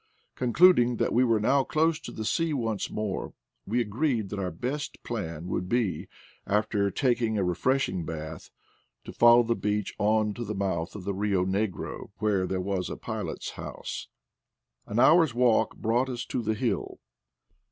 Conclud ing that we were now dose to the sea once more, we agreed that our best plan would be, after taking a refreshing bath, to follow the beach on to AT LAST, PATAGONIA! 13 the month of the Bio Negro, where there was a pilot's house. An hour's walk brought us to the hill.